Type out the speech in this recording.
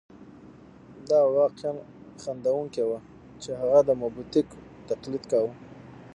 دا واقعاً خندوونکې وه چې هغه د موبوتیک تقلید کاوه.